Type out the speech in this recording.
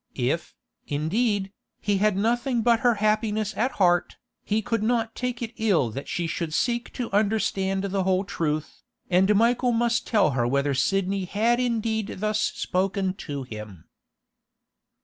If, indeed, he had nothing but her happiness at heart, he could not take it ill that she should seek to understand the whole truth, and Michael must tell her whether Sidney had indeed thus spoken to him.